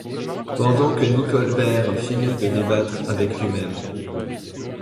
Pendant que Nicolbert finit de débattre avec luimême.